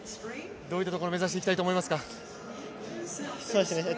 どういったところを目指していきたいと思いますか？